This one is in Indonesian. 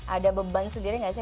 ada beban sendiri nggak sih